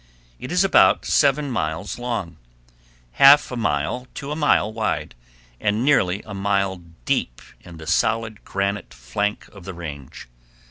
It is about seven miles long, half a mile to a mile wide, and nearly a mile deep in the solid granite flank of the range.